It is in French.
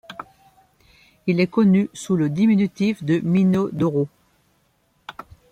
Il est connu sous le diminutif de Mino Doro.